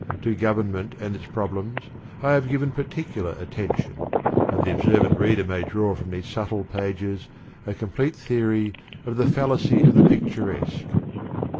To Government and its problems I have given particular attention, and the observant reader may draw from these subtle pages a complete theory of the Fallacy of the Picturesque.